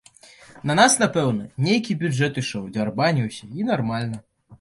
На нас, пэўна, нейкі бюджэт ішоў, дзярбаніўся і нармальна.